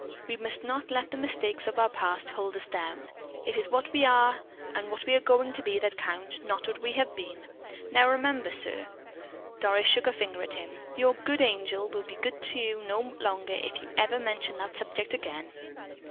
We must not let the mistakes of our past hold us down. It is what we are, and what we are going to be that count, not what we have been. Now, remember, sir," Doris shook a finger at him, "your 'good angel' will be good to you no longer if you ever mention that subject again."